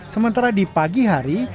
sementara di pagi hari